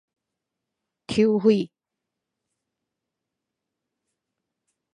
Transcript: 抽血